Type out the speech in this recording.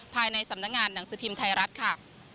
ภายในสำนักงานหนังสือพิมพ์ไทยรัฐค่ะ